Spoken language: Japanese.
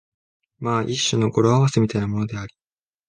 まあ一種の語呂合せみたいなものであり、